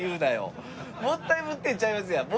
もったいぶってるんちゃいますやん。